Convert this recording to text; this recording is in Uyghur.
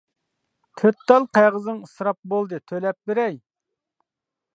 تۆت تال قەغىزىڭ ئىسراپ بولدى، تۆلەپ بېرەي.